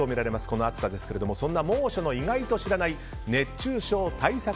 この暑さですけれどもそんな猛暑の意外と知らない熱中症対策